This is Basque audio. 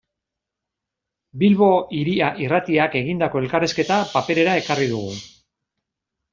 Bilbo Hiria Irratiak egindako elkarrizketa paperera ekarri dugu.